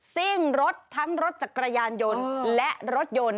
ซิ่งรถทั้งรถจักรยานยนต์และรถยนต์